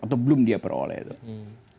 atau belum dia peroleh tuh